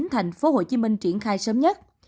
thành phố hồ chí minh triển khai sớm nhất